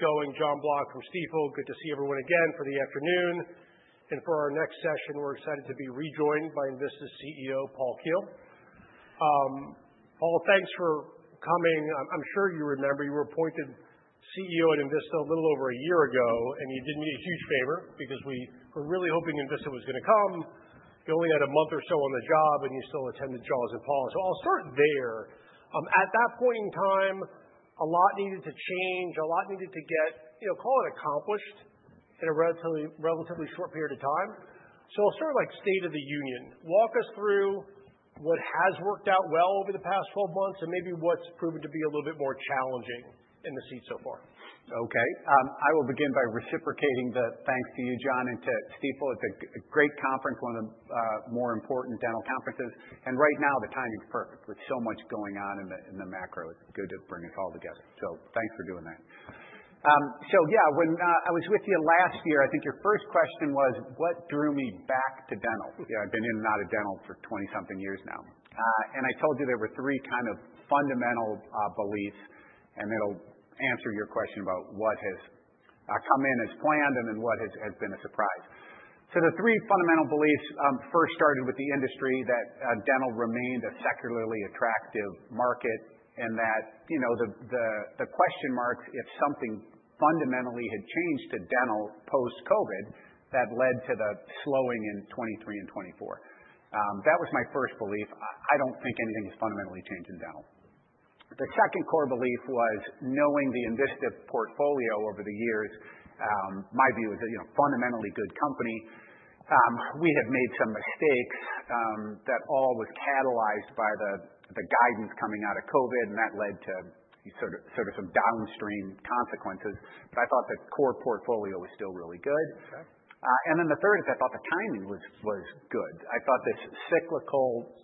Going, John Block from Stifel. Good to see everyone again for the afternoon. For our next session, we're excited to be rejoined by Envista CEO Paul Keel. Paul, thanks for coming. I'm sure you remember you were appointed CEO at Envista a little over a year ago, and you did me a huge favor because we were really hoping Envista was gonna come. You only had a month or so on the job, and you still attended Jaws and Paul. I'll start there. At that point in time, a lot needed to change. A lot needed to get, you know, call it accomplished in a relatively, relatively short period of time. I'll start with, like, state of the union. Walk us through what has worked out well over the past 12 months and maybe what's proven to be a little bit more challenging in the seat so far. Okay. I will begin by reciprocating the thanks to you, John, and to Stifel. It's a, a great conference, one of the, more important dental conferences. Right now, the timing's perfect. There's so much going on in the, in the macro. It's good to bring us all together. Thanks for doing that. Yeah, when I was with you last year, I think your first question was, what drew me back to dental? You know, I've been in and out of dental for 20-something years now. I told you there were three kind of fundamental beliefs, and it'll answer your question about what has come in as planned and then what has, has been a surprise. The three fundamental beliefs first started with the industry, that dental remained a secularly attractive market and that, you know, the question marks if something fundamentally had changed to dental post-COVID, that led to the slowing in 2023 and 2024. That was my first belief. I don't think anything has fundamentally changed in dental. The second core belief was knowing the Envista portfolio over the years, my view is a, you know, fundamentally good company. We have made some mistakes, that all was catalyzed by the guidance coming out of COVID, and that led to sort of some downstream consequences. I thought the core portfolio was still really good. Okay. and then the third is I thought the timing was, was good. I thought this cyclical,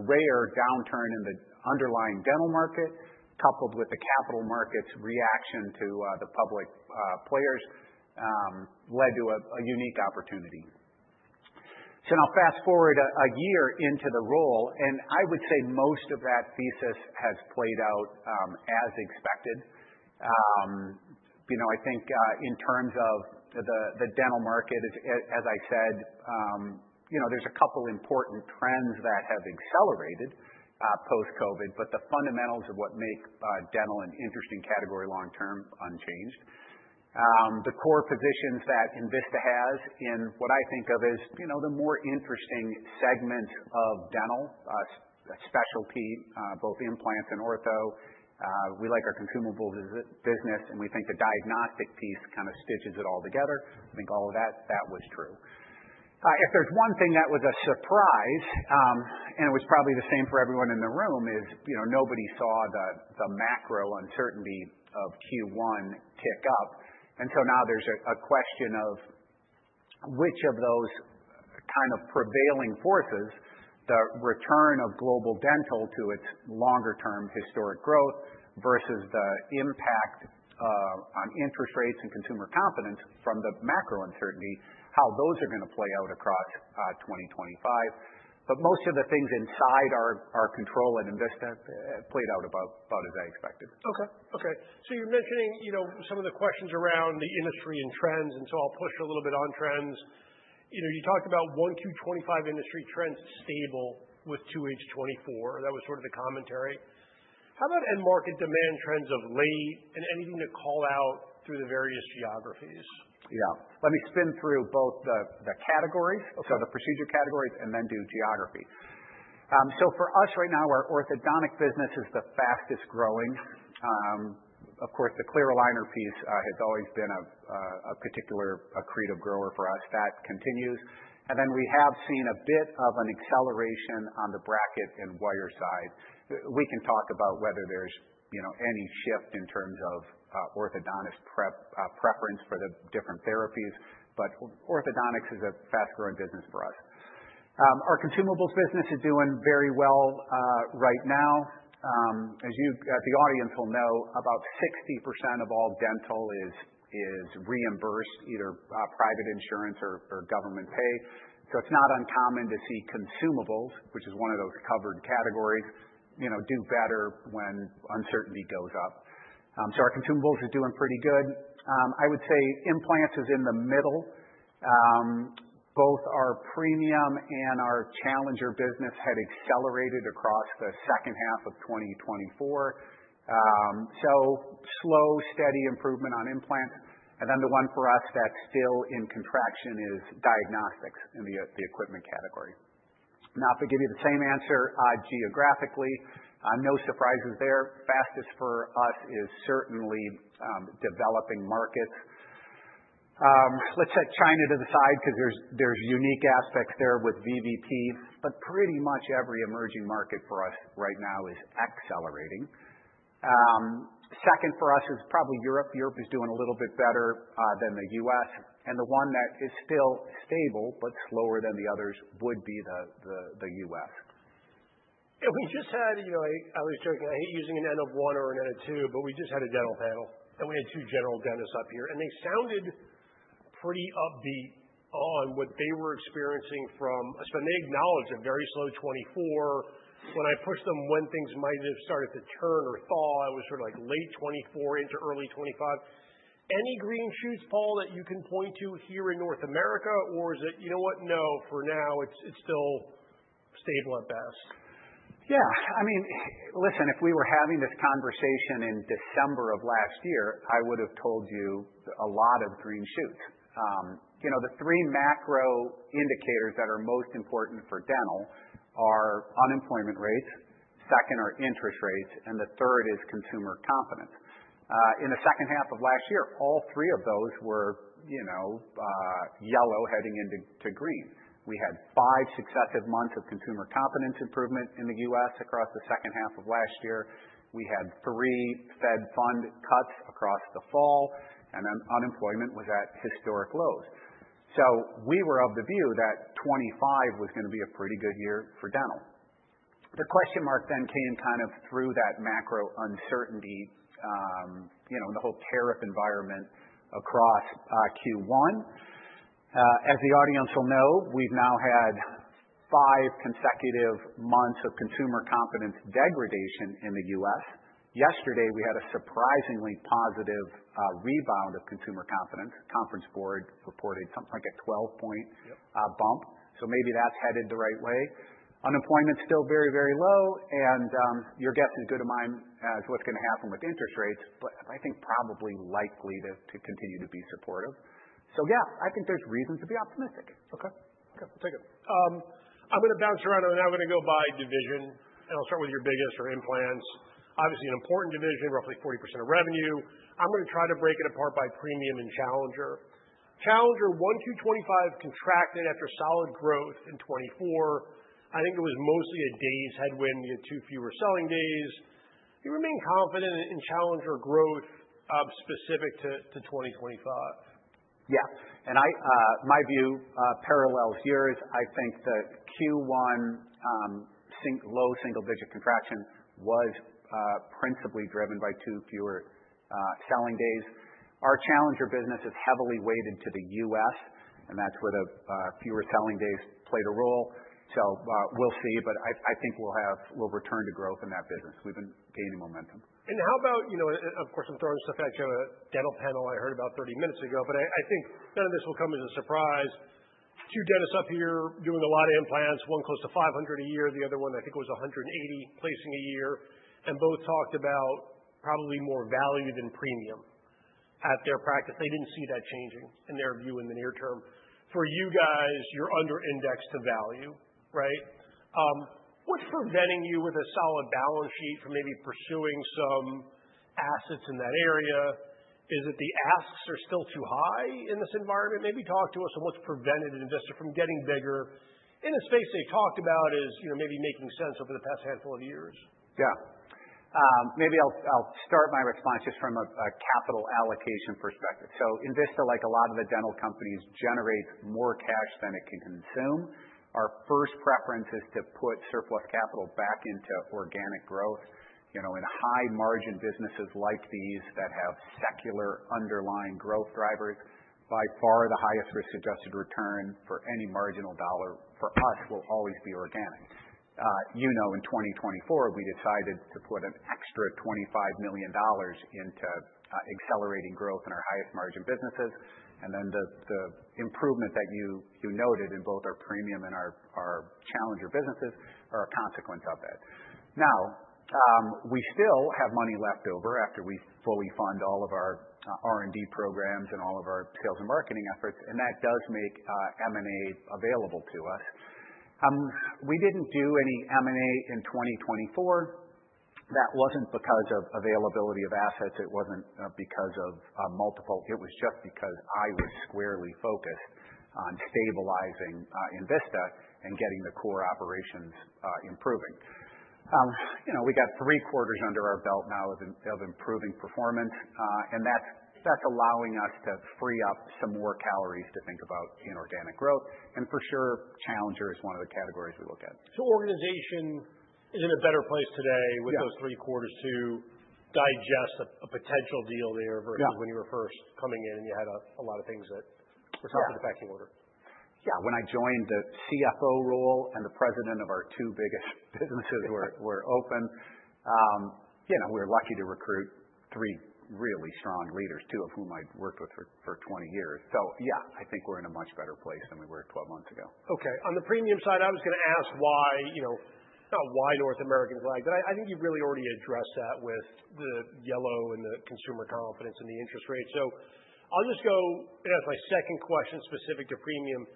rare downturn in the underlying dental market, coupled with the capital market's reaction to, the public, players, led to a, a unique opportunity. Now fast forward a year into the role, and I would say most of that thesis has played out, as expected. you know, I think, in terms of the, the dental market, as I said, you know, there's a couple important trends that have accelerated, post-COVID, but the fundamentals of what make dental an interesting category long-term unchanged. the core positions that Envista has in what I think of as, you know, the more interesting segments of dental, specialty, both implants and ortho. we like our consumables as a business, and we think the diagnostic piece kind of stitches it all together. I think all of that, that was true. If there's one thing that was a surprise, and it was probably the same for everyone in the room, is, you know, nobody saw the macro uncertainty of Q1 tick up. Now there's a question of which of those kind of prevailing forces, the return of global dental to its longer-term historic growth versus the impact on interest rates and consumer confidence from the macro uncertainty, how those are goingto play out across 2025. Most of the things inside our control at Envista played out about as I expected. Okay. Okay. So you're mentioning, you know, some of the questions around the industry and trends, and so I'll push a little bit on trends. You know, you talked about 1Q 2025 industry trends stable with 2H 2024. That was sort of the commentary. How about end-market demand trends of late and anything to call out through the various geographies? Yeah. Let me spin through both the categories. Okay. The procedure categories and then do geography. For us right now, our orthodontic business is the fastest growing. Of course, the clear aligner piece has always been a particular accretive grower for us. That continues. We have seen a bit of an acceleration on the bracket and wire side. We can talk about whether there is, you know, any shift in terms of orthodontist preference for the different therapies, but orthodontics is a fast-growing business for us. Our consumables business is doing very well right now. As you, the audience, will know, about 60% of all dental is reimbursed, either private insurance or government pay. It is not uncommon to see consumables, which is one of those covered categories, do better when uncertainty goes up. Our consumables are doing pretty good. I would say implants is in the middle. Both our premium and our challenger business had accelerated across the second half of 2024. Slow, steady improvement on implants. The one for us that is still in contraction is diagnostics in the equipment category. If I give you the same answer geographically, no surprises there. Fastest for us is certainly developing markets. Let's set China to the side 'cause there are unique aspects there with VBP, but pretty much every emerging market for us right now is accelerating. Second for us is probably Europe. Europe is doing a little bit better than the US. The one that is still stable but slower than the others would be the US. Yeah. We just had, you know, I was joking. I hate using an N of 1 or an N of 2, but we just had a dental panel, and we had two general dentists up here, and they sounded pretty upbeat on what they were experiencing from, so they acknowledged a very slow 2024. When I pushed them when things might have started to turn or thaw, it was sort of like late 2024 into early 2025. Any green shoots, Paul, that you can point to here in North America, or is it, you know what? No, for now, it's, it's still stable at best. Yeah. I mean, listen, if we were having this conversation in December of last year, I would have told you a lot of green shoots. You know, the three macro indicators that are most important for dental are unemployment rates, second are interest rates, and the third is consumer confidence. In the second half of last year, all three of those were, you know, yellow heading into, to green. We had five successive months of consumer confidence improvement in the US across the second half of last year. We had three Fed fund cuts across the fall, and unemployment was at historic lows. So we were of the view that 2025 was gonna be a pretty good year for dental. The question mark then came kind of through that macro uncertainty, you know, in the whole tariff environment across, Q1. As the audience will know, we've now had five consecutive months of consumer confidence degradation in the U.S. Yesterday, we had a surprisingly positive rebound of consumer confidence. Conference Board reported something like a 12-point. Yep. Bump. Maybe that's headed the right way. Unemployment's still very, very low, and your guess is as good as mine as what's gonna happen with interest rates, but I think probably likely to continue to be supportive. Yeah, I think there's reason to be optimistic. Okay. Okay. We'll take it. I'm gonna bounce around, and I'm gonna go by division, and I'll start with your biggest for implants. Obviously, an important division, roughly 40% of revenue. I'm gonna try to break it apart by premium and challenger. Challenger 1Q 2025 contracted after solid growth in 2024. I think it was mostly a day's headwind. You had too few reselling days. You remain confident in, in challenger growth, specific to, to 2025? Yeah. In my view, parallel here is I think the Q1, single low single-digit contraction was principally driven by too few selling days. Our challenger business is heavily weighted to the US, and that's where the few selling days played a role. We'll see, but I think we'll return to growth in that business. We've been gaining momentum. How about, you know, and of course, I'm throwing stuff at you. I have a dental panel I heard about 30 minutes ago, but I think none of this will come as a surprise. Two dentists up here doing a lot of implants. One close to 500 a year. The other one, I think it was 180 placing a year. Both talked about probably more value than premium at their practice. They did not see that changing in their view in the near term. For you guys, you are under-indexed to value, right? What is preventing you with a solid balance sheet from maybe pursuing some assets in that area? Is it the asks are still too high in this environment? Maybe talk to us on what's prevented Envista from getting bigger in a space they talked about as, you know, maybe making sense over the past handful of years? Yeah. Maybe I'll, I'll start my response just from a, a capital allocation perspective. So Envista, like a lot of the dental companies, generates more cash than it can consume. Our first preference is to put surplus capital back into organic growth, you know, in high-margin businesses like these that have secular underlying growth drivers. By far, the highest risk-adjusted return for any marginal dollar for us will always be organic. You know, in 2024, we decided to put an extra $25 million into accelerating growth in our highest-margin businesses. The improvement that you, you noted in both our premium and our, our challenger businesses are a consequence of that. Now, we still have money left over after we fully fund all of our R&D programs and all of our sales and marketing efforts, and that does make M&A available to us. did not do any M&A in 2024. That was not because of availability of assets. It was not because of multiple. It was just because I was squarely focused on stabilizing Envista and getting the core operations improving. You know, we got three quarters under our belt now of improving performance, and that is allowing us to free up some more calories to think about inorganic growth. And for sure, challenger is one of the categories we look at. Organization is in a better place today with those three quarters to digest a potential deal there versus when you were first coming in and you had a lot of things that were top of the pecking order. Yeah. Yeah. When I joined the CFO role and the president of our two biggest businesses were open, you know, we were lucky to recruit three really strong leaders, two of whom I'd worked with for 20 years. Yeah, I think we're in a much better place than we were 12 months ago. Okay. On the premium side, I was gonna ask why, you know, not why North America's lagged, but I think you've really already addressed that with the yellow and the consumer confidence and the interest rate. I'll just go and ask my second question specific to premium.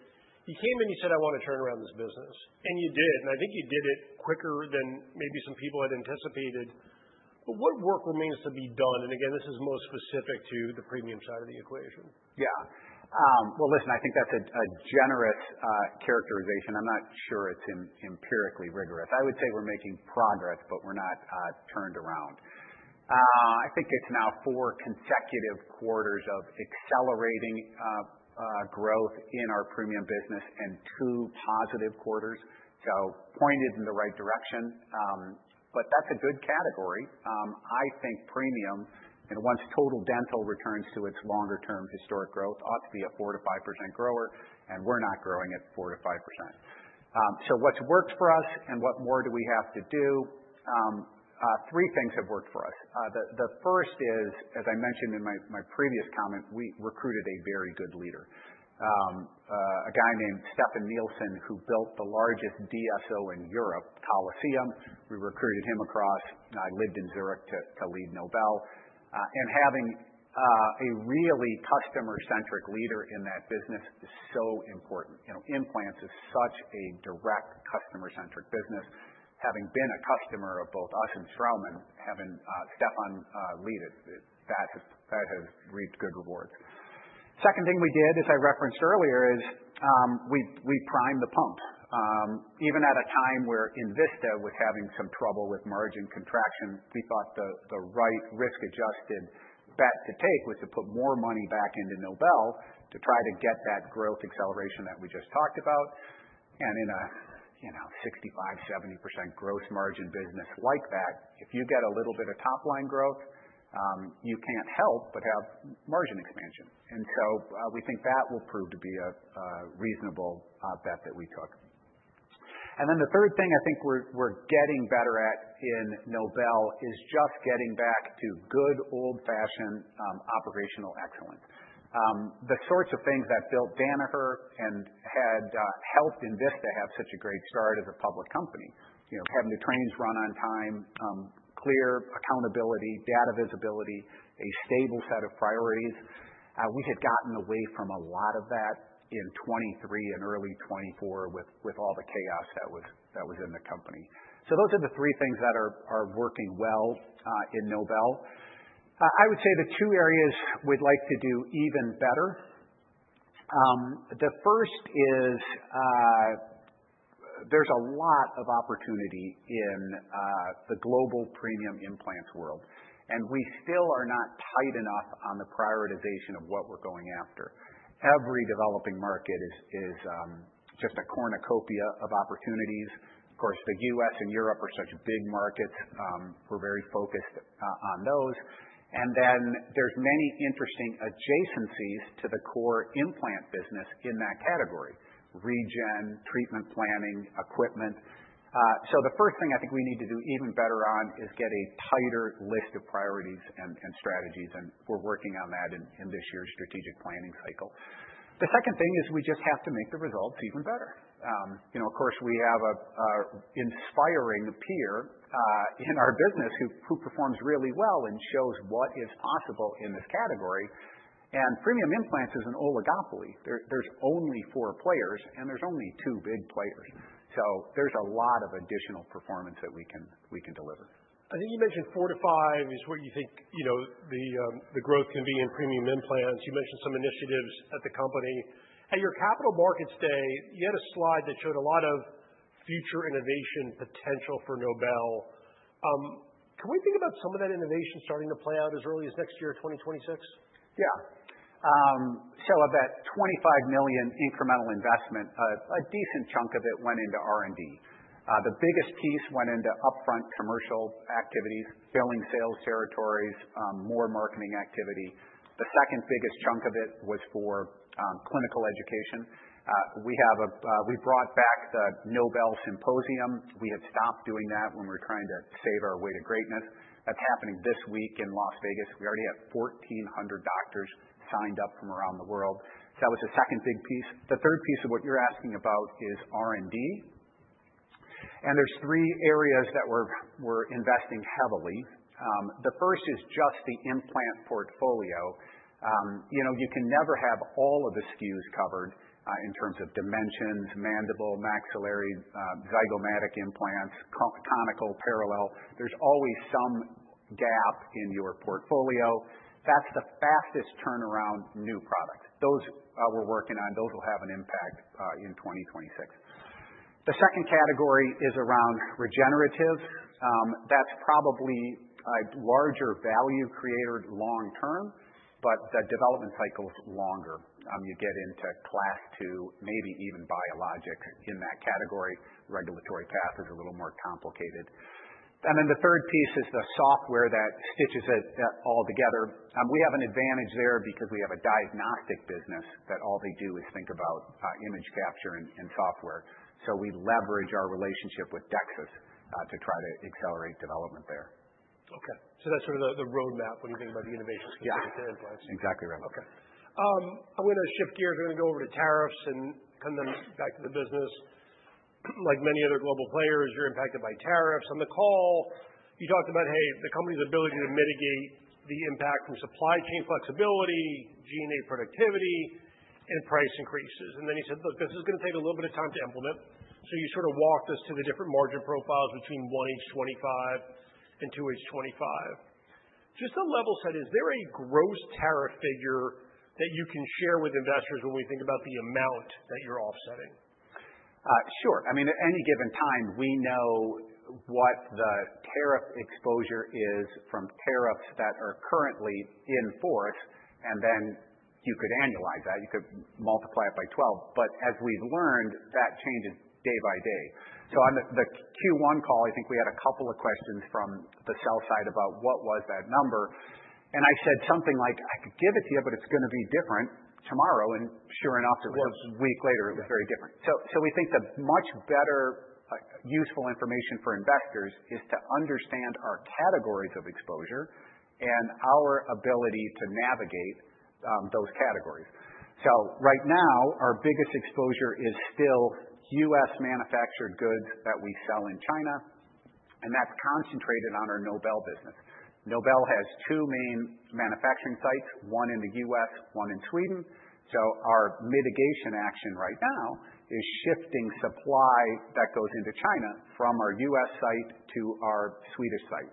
You came in, you said, "I wanna turn around this business," and you did, and I think you did it quicker than maybe some people had anticipated. What work remains to be done? Again, this is most specific to the premium side of the equation. Yeah. I think that's a generous characterization. I'm not sure it's empirically rigorous. I would say we're making progress, but we're not turned around. I think it's now four consecutive quarters of accelerating growth in our premium business and two positive quarters. Pointed in the right direction. That's a good category. I think premium, you know, once total dental returns to its longer-term historic growth, ought to be a 4%-5% grower, and we're not growing at 4%-5%. What's worked for us and what more do we have to do? Three things have worked for us. The first is, as I mentioned in my previous comment, we recruited a very good leader, a guy named Stephen Nielsen who built the largest DSO in Europe, Colosseum. We recruited him across. I lived in Zurich to lead Nobel. and having a really customer-centric leader in that business is so important. You know, implants is such a direct customer-centric business. Having been a customer of both us and Straumann, having Stephen lead it, that has reaped good rewards. Second thing we did, as I referenced earlier, is we primed the pump. Even at a time where Envista was having some trouble with margin contraction, we thought the right risk-adjusted bet to take was to put more money back into Nobel to try to get that growth acceleration that we just talked about. In a, you know, 65-70% gross margin business like that, if you get a little bit of top-line growth, you can't help but have margin expansion. We think that will prove to be a reasonable bet that we took. Then the third thing I think we're getting better at in Nobel is just getting back to good old-fashioned operational excellence. The sorts of things that built Danaher and helped Envista have such a great start as a public company, you know, having the trains run on time, clear accountability, data visibility, a stable set of priorities. We had gotten away from a lot of that in 2023 and early 2024 with all the chaos that was in the company. Those are the three things that are working well in Nobel. I would say the two areas we'd like to do even better. The first is, there's a lot of opportunity in the global premium implants world, and we still are not tight enough on the prioritization of what we're going after. Every developing market is just a cornucopia of opportunities. Of course, the US and Europe are such big markets. We're very focused on those. And then there's many interesting adjacencies to the core implant business in that category: regen, treatment planning, equipment. The first thing I think we need to do even better on is get a tighter list of priorities and strategies, and we're working on that in this year's strategic planning cycle. The second thing is we just have to make the results even better. You know, of course, we have an inspiring peer in our business who performs really well and shows what is possible in this category. Premium implants is an oligopoly. There are only four players, and there are only two big players. There is a lot of additional performance that we can deliver. I think you mentioned four to five is what you think, you know, the growth can be in premium implants. You mentioned some initiatives at the company. At your capital markets day, you had a slide that showed a lot of future innovation potential for Nobel. Can we think about some of that innovation starting to play out as early as next year, 2026? Yeah. So of that $25 million incremental investment, a decent chunk of it went into R&D. The biggest piece went into upfront commercial activities, building sales territories, more marketing activity. The second biggest chunk of it was for clinical education. We have a, we brought back the Nobel Symposium. We had stopped doing that when we were trying to save our way to greatness. That is happening this week in Las Vegas. We already have 1,400 doctors signed up from around the world. That was the second big piece. The third piece of what you are asking about is R&D. There are three areas that we are investing heavily. The first is just the implant portfolio. You know, you can never have all of the SKUs covered, in terms of dimensions, mandible, maxillary, zygomatic implants, conical, parallel. There is always some gap in your portfolio. That is the fastest turnaround new products. Those, we're working on. Those will have an impact, in 2026. The second category is around regeneratives. That's probably a larger value creator long-term, but the development cycle's longer. You get into class II, maybe even biologics in that category. Regulatory path is a little more complicated. The third piece is the software that stitches it all together. We have an advantage there because we have a diagnostic business that all they do is think about image capture and software. We leverage our relationship with DEXIS to try to accelerate development there. Okay. So that's sort of the roadmap when you think about the innovation scheme to implants. Yeah. Exactly right. Okay. I'm gonna shift gears. We're gonna go over to tariffs and come then back to the business. Like many other global players, you're impacted by tariffs. On the call, you talked about, hey, the company's ability to mitigate the impact from supply chain flexibility, G&A productivity, and price increases. You said, "Look, this is gonna take a little bit of time to implement." You sort of walked us to the different margin profiles between 1H25 and 2H25. Just a level set, is there a gross tariff figure that you can share with investors when we think about the amount that you're offsetting? Sure. I mean, at any given time, we know what the tariff exposure is from tariffs that are currently in force, and then you could annualize that. You could multiply it by 12. As we've learned, that changes day by day. On the Q1 call, I think we had a couple of questions from the sell side about what was that number. I said something like, "I could give it to you, but it's gonna be different tomorrow." Sure enough, it was a week later, it was very different. We think the much better, useful information for investors is to understand our categories of exposure and our ability to navigate those categories. Right now, our biggest exposure is still US manufactured goods that we sell in China, and that's concentrated on our Nobel business. Nobel has two main manufacturing sites, one in the U.S., one in Sweden. Our mitigation action right now is shifting supply that goes into China from our U.S. site to our Swedish site.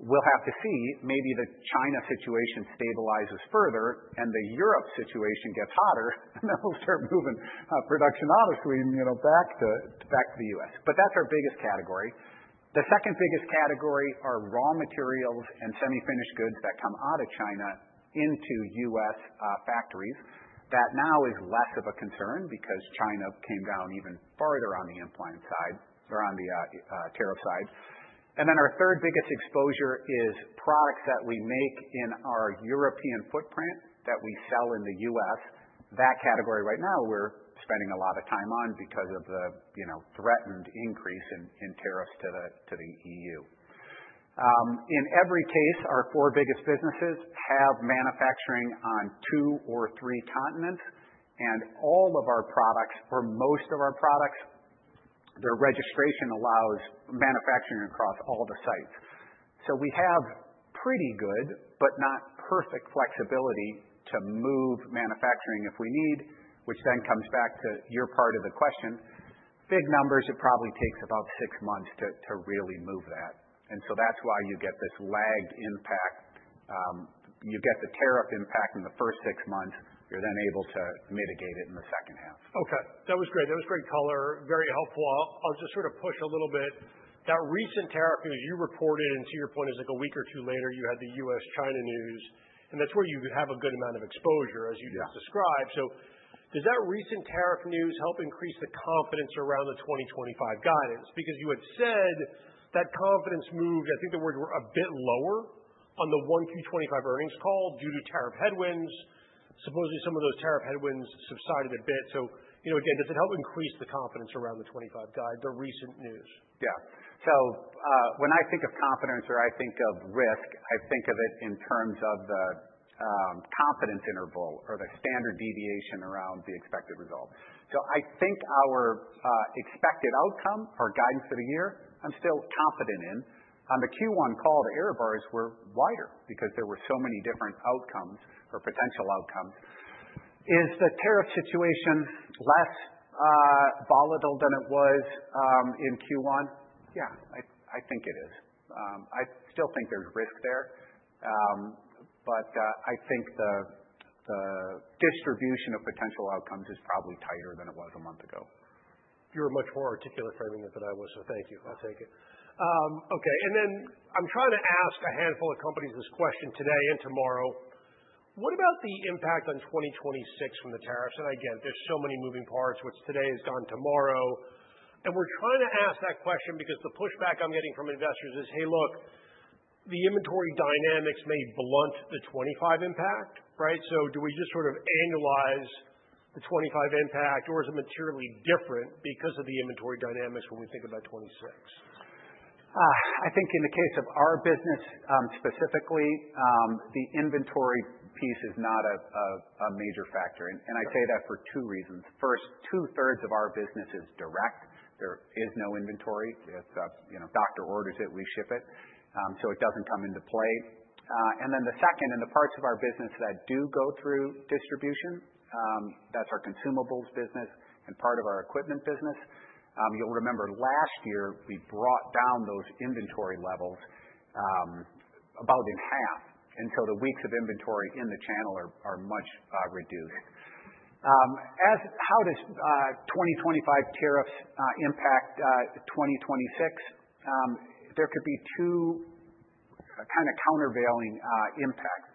We'll have to see, maybe the China situation stabilizes further and the Europe situation gets hotter, and then we'll start moving production out of Sweden, you know, back to the U.S. That is our biggest category. The second biggest category are raw materials and semi-finished goods that come out of China into U.S. factories. That now is less of a concern because China came down even farther on the implant side or on the tariff side. Our third biggest exposure is products that we make in our European footprint that we sell in the U.S. That category right now we're spending a lot of time on because of the, you know, threatened increase in tariffs to the EU. In every case, our four biggest businesses have manufacturing on two or three continents, and all of our products, or most of our products, their registration allows manufacturing across all the sites. We have pretty good but not perfect flexibility to move manufacturing if we need, which then comes back to your part of the question. Big numbers, it probably takes about six months to really move that. That's why you get this lagged impact. You get the tariff impact in the first six months. You're then able to mitigate it in the second half. Okay. That was great. That was great color. Very helpful. I'll just sort of push a little bit. That recent tariff news you reported, and to your point, it's like a week or two later, you had the U.S.-China news, and that's where you have a good amount of exposure as you just described. Yeah. Does that recent tariff news help increase the confidence around the 2025 guidance? Because you had said that confidence moved, I think the words were a bit lower on the 1Q 2025 earnings call due to tariff headwinds. Supposedly, some of those tariff headwinds subsided a bit. You know, again, does it help increase the confidence around the 2025 guide, the recent news? Yeah. When I think of confidence or I think of risk, I think of it in terms of the confidence interval or the standard deviation around the expected result. I think our expected outcome, our guidance for the year, I'm still confident in. On the Q1 call, the error bars were wider because there were so many different outcomes or potential outcomes. Is the tariff situation less volatile than it was in Q1? Yeah, I think it is. I still think there's risk there, but I think the distribution of potential outcomes is probably tighter than it was a month ago. You're much more articulate framing it than I was, so thank you. I'll take it. Okay. And then I'm trying to ask a handful of companies this question today and tomorrow. What about the impact on 2026 from the tariffs? Again, there's so many moving parts, which today has gone tomorrow. We're trying to ask that question because the pushback I'm getting from investors is, "Hey, look, the inventory dynamics may blunt the 2025 impact," right? Do we just sort of annualize the 2025 impact, or is it materially different because of the inventory dynamics when we think about 2026? I think in the case of our business, specifically, the inventory piece is not a major factor. I say that for two reasons. First, two-thirds of our business is direct. There is no inventory. It's, you know, doctor orders it, we ship it. It does not come into play. In the parts of our business that do go through distribution, that's our consumables business and part of our equipment business. You'll remember last year we brought down those inventory levels about in half. The weeks of inventory in the channel are much reduced. As for how 2025 tariffs impact 2026, there could be two kind of countervailing impacts.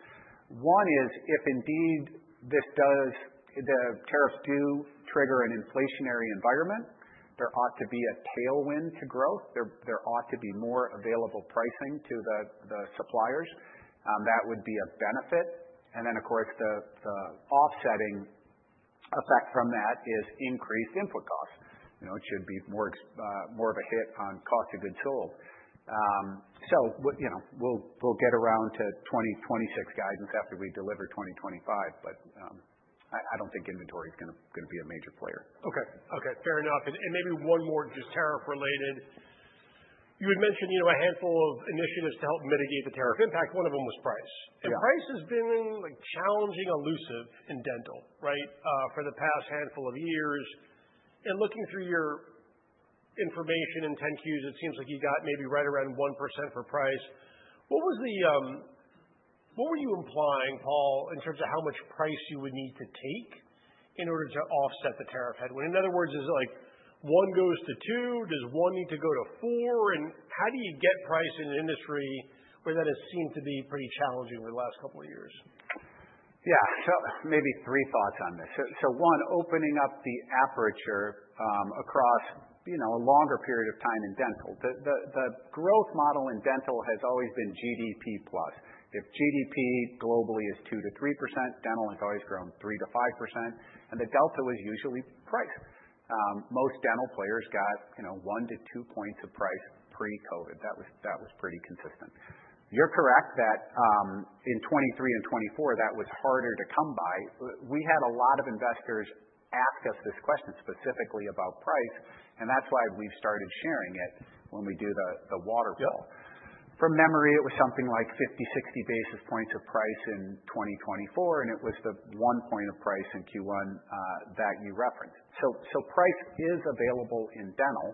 One is if indeed this does, the tariffs do trigger an inflationary environment, there ought to be a tailwind to growth. There ought to be more available pricing to the suppliers. That would be a benefit. Of course, the offsetting effect from that is increased input costs. You know, it should be more of a hit on cost of goods sold. We will get around to 2026 guidance after we deliver 2025. I do not think inventory is gonna be a major player. Okay. Okay. Fair enough. And maybe one more just tariff-related. You had mentioned, you know, a handful of initiatives to help mitigate the tariff impact. One of them was price. Yeah. Price has been, like, challenging, elusive in dental, right, for the past handful of years. Looking through your information in 10Qs, it seems like you got maybe right around 1% for price. What was the, what were you implying, Paul, in terms of how much price you would need to take in order to offset the tariff headwind? In other words, is it like one goes to two? Does one need to go to four? How do you get price in an industry where that has seemed to be pretty challenging over the last couple of years? Yeah. Maybe three thoughts on this. One, opening up the aperture across a longer period of time in dental. The growth model in dental has always been GDP plus. If GDP globally is 2%-3%, dental has always grown 3-5%, and the delta was usually price. Most dental players got 1-2 points of price pre-COVID. That was pretty consistent. You're correct that, in 2023 and 2024, that was harder to come by. We had a lot of investors ask us this question specifically about price, and that's why we've started sharing it when we do the waterfall. Yeah. From memory, it was something like 50-60 basis points of price in 2024, and it was the one point of price in Q1 that you referenced. Price is available in dental.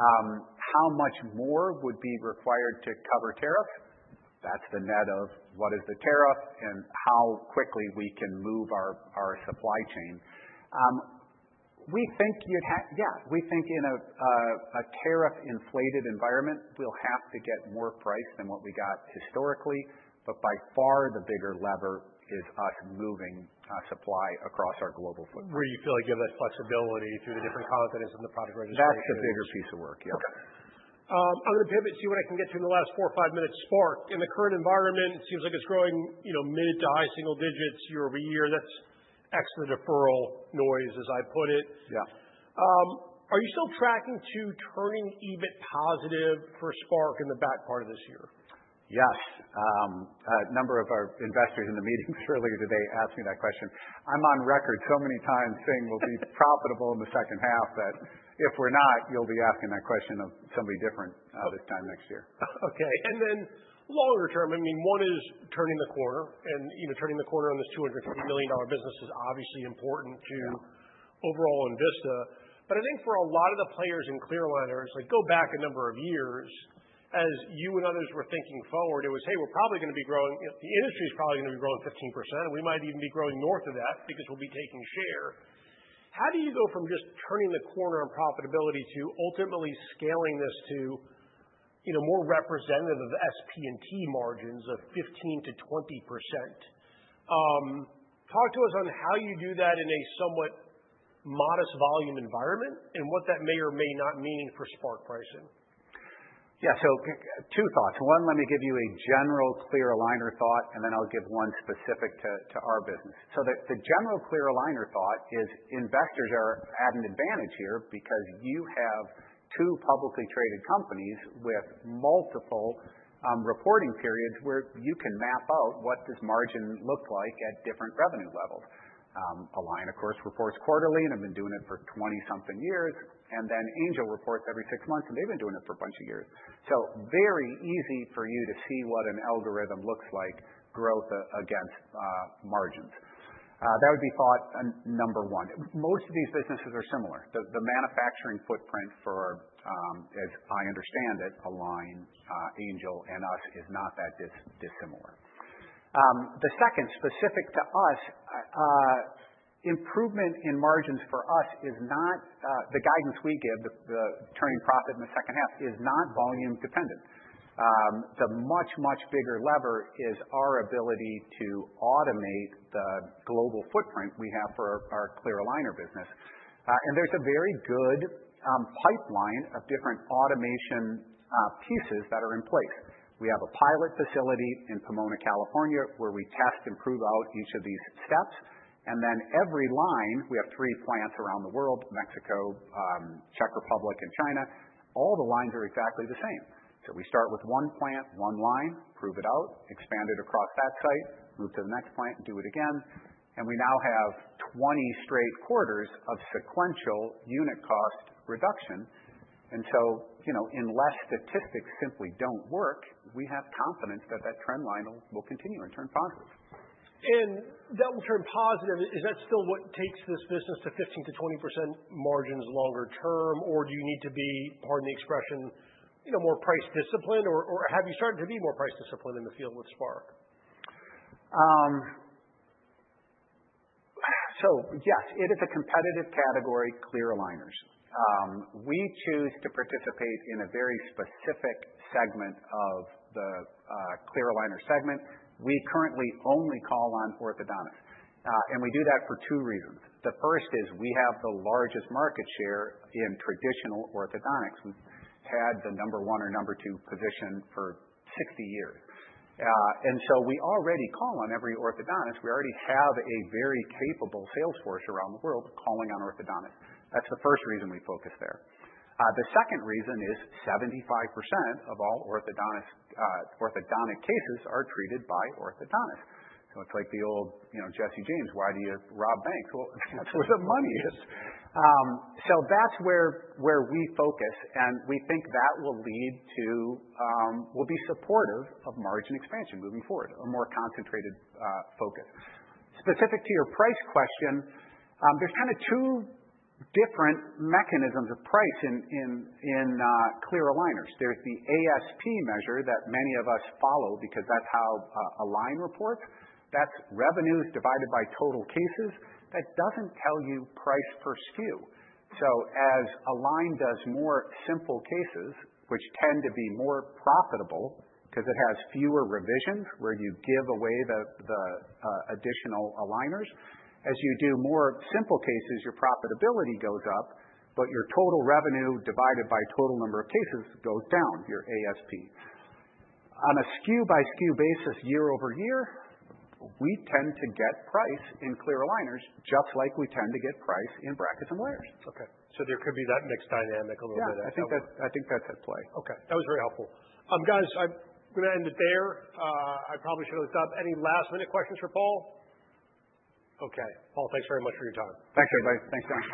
How much more would be required to cover tariffs? That's the net of what is the tariff and how quickly we can move our supply chain. We think in a tariff-inflated environment, we'll have to get more price than what we got historically. By far, the bigger lever is us moving supply across our global footprint. Where you feel like you have that flexibility through the different confidence in the product registration. That's the bigger piece of work. Yeah. Okay. I'm gonna pivot and see what I can get to in the last four or five minutes. Spark, in the current environment, it seems like it's growing, you know, mid to high single digits year-over- year. That's exit deferral noise, as I put it. Yeah. Are you still tracking to turning EBIT positive for Spark in the back part of this year? Yes. A number of our investors in the meetings earlier today asked me that question. I'm on record so many times saying we'll be profitable in the second half that if we're not, you'll be asking that question of somebody different, this time next year. Okay. And then longer term, I mean, one is turning the corner, and, you know, turning the corner on this $250 million business is obviously important to overall Envista. But I think for a lot of the players in clear aligner, it's like, go back a number of years. As you and others were thinking forward, it was, "Hey, we're probably gonna be growing, you know, the industry's probably gonna be growing 15%, and we might even be growing north of that because we'll be taking share." How do you go from just turning the corner on profitability to ultimately scaling this to, you know, more representative of SP&T margins of 15%-20%? Talk to us on how you do that in a somewhat modest volume environment and what that may or may not mean for Spark pricing. Yeah. Two thoughts. One, let me give you a general clear aligner thought, and then I'll give one specific to our business. The general clear aligner thought is investors are at an advantage here because you have two publicly traded companies with multiple reporting periods where you can map out what does margin look like at different revenue levels. Align, of course, reports quarterly and have been doing it for 20-something years. Angelalign reports every six months, and they've been doing it for a bunch of years. Very easy for you to see what an algorithm looks like growth against margins. That would be thought number one. Most of these businesses are similar. The manufacturing footprint for, as I understand it, Align, Angelalign, and us is not that dissimilar. The second specific to us, improvement in margins for us is not, the guidance we give, the turning profit in the second half is not volume-dependent. The much, much bigger lever is our ability to automate the global footprint we have for our, our clear aligner business. There is a very good pipeline of different automation pieces that are in place. We have a pilot facility in Pomona, California, where we test and prove out each of these steps. Every line, we have three plants around the world: Mexico, Czech Republic, and China. All the lines are exactly the same. We start with one plant, one line, prove it out, expand it across that site, move to the next plant, do it again. We now have 20 straight quarters of sequential unit cost reduction. You know, unless statistics simply do not work, we have confidence that that trend line will continue and turn positive. That will turn positive. Is that still what takes this business to 15%-20% margins longer term, or do you need to be, pardon the expression, you know, more price disciplined? Or, or have you started to be more price disciplined in the field with Spark? Yes, it is a competitive category, clear aligners. We choose to participate in a very specific segment of the clear aligner segment. We currently only call on orthodontists, and we do that for two reasons. The first is we have the largest market share in traditional orthodontics. We've had the number one or number two position for 60 years, and so we already call on every orthodontist. We already have a very capable salesforce around the world calling on orthodontists. That's the first reason we focus there. The second reason is 75% of all orthodontic cases are treated by orthodontists. It's like the old, you know, Jesse James, "Why do you rob banks?" That's where the money is. That's where we focus, and we think that will be supportive of margin expansion moving forward, a more concentrated focus. Specific to your price question, there are kind of two different mechanisms of price in Clear aligners. There is the ASP measure that many of us follow because that is how Align reports. That is revenues divided by total cases. That does not tell you price per SKU. As Align does more simple cases, which tend to be more profitable because it has fewer revisions where you give away the additional aligners, as you do more simple cases, your profitability goes up, but your total revenue divided by total number of cases goes down, your ASP. On a SKU-by-SKU basis, year over year, we tend to get price in Clear aligners just like we tend to get price in brackets and wires. Okay. So there could be that mixed dynamic a little bit at play. Yeah, I think that, I think that's at play. Okay. That was very helpful. Guys, I'm gonna end it there. I probably should have stopped. Any last-minute questions for Paul? Okay. Paul, thanks very much for your time. Thanks, everybody. Thanks so much.